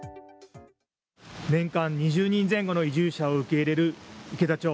年間２０人前後の移住者を受け入れる池田町。